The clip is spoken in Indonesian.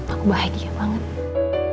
aku bahagia banget